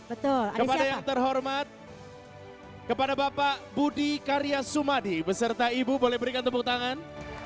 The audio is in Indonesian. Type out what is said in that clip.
betul kepada yang terhormat kepada bapak budi karya sumadi beserta ibu boleh berikan tepuk tangan